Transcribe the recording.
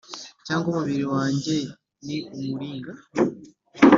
cyangwa umubiri wanjye ni umuringa’